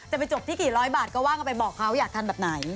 จะไปจบที่กี่ร้อยบาทก็ว่ากันไปบอกเขาอยากทำแบบไหน